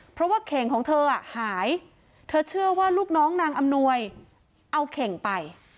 เพราะว่าเข่งของเธอหายเธอเชื่อว่าลูกน้องนางอำนวยเอาเข่งไป